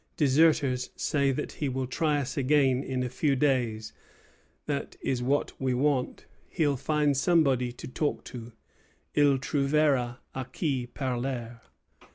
Deserters say that he will try us again in a few days. That is what we want; he'll find somebody to talk to (il trouvera à qui parler)."